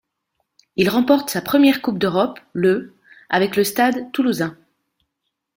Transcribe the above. Il remporte sa première Coupe d'Europe le avec le Stade toulousain.